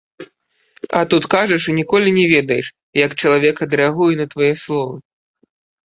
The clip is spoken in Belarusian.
А тут кажаш і ніколі не ведаеш, як чалавек адрэагуе на твае словы.